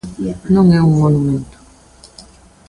Non é un monumento.